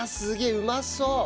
うまそう！